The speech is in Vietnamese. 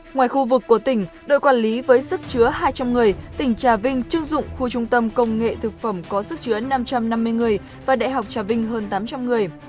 ngoài khu vực của tỉnh đội quản lý với sức chứa hai trăm linh người tỉnh trà vinh chưng dụng khu trung tâm công nghệ thực phẩm có sức chứa năm trăm năm mươi người và đại học trà vinh hơn tám trăm linh người